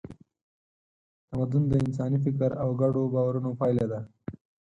تمدن د انساني فکر او ګډو باورونو پایله ده.